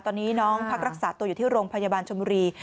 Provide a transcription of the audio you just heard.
ตอนนี้น้องพักรักษาตัวอยู่ที่โรงพยาบาลชนบุรี